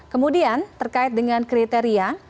kemudian terkait dengan kriteria